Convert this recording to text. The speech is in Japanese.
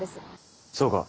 そうか。